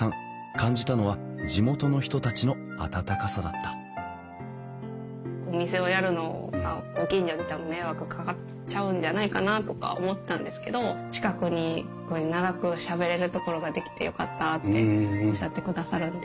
感じたのは地元の人たちの温かさだったお店をやるのはご近所に多分迷惑かかっちゃうんじゃないかなとか思ってたんですけど近くに長くしゃべれる所が出来てよかったっておっしゃってくださるんで。